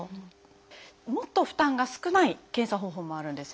もっと負担が少ない検査方法もあるんです。